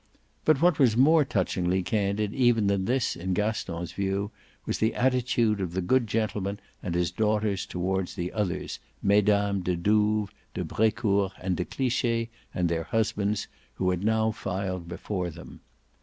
But what was more touchingly candid even than this in Gaston's view was the attitude of the good gentleman and his daughters toward the others, Mesdames de Douves, de Brecourt and de Cliche and their husbands, who had now all filed before them.